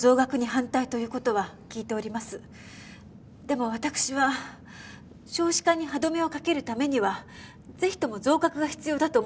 でもわたくしは少子化に歯止めをかけるためにはぜひとも増額が必要だと思っております。